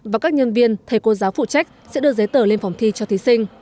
và các nhân viên thầy cô giáo phụ trách sẽ đưa giấy tờ lên phòng thi cho thí sinh